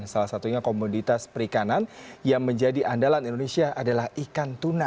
salah satunya komoditas perikanan yang menjadi andalan indonesia adalah ikan tuna